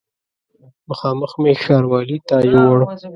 مخامخ مې ښاروالي ته یووړ.